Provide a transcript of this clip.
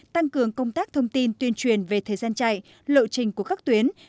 tăng cường công tác thông tin tuyên truyền về thời gian chạy lộ trình của các tuyến